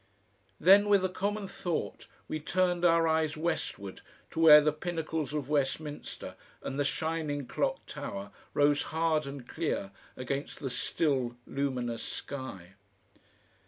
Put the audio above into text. Then with a common thought, we turned our eyes westward to where the pinnacles of Westminster and the shining clock tower rose hard and clear against the still, luminous sky.